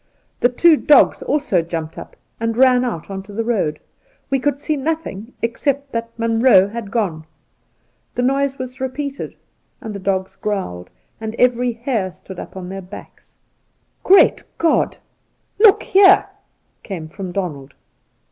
The two dogs also jumped up and ran out on to the road. We could see nothing except that Munroe had gone. The noise was repeated, and the dogs growled, and every hair stood up on their backs. ' Great God ! look there !' came from Donald.